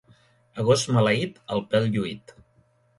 A gos maleït, el pèl lluït.